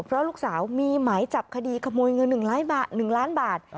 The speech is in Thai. เพราะลูกสาวมีหมายจับคดีขโมยเงิน๑ล้านบาท